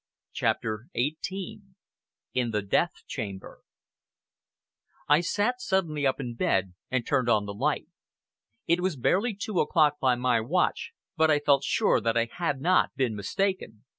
CHAPTER XVIII IN THE DEATH CHAMBER I sat up suddenly in bed and turned on the light. It was barely two o'clock by my watch, but I felt sure that I had not been mistaken.